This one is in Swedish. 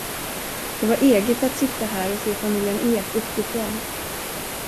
Det var eget att sitta här och se familjen Ek uppifrån.